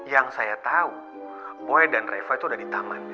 yang saya tahu boy dan reva itu ada di taman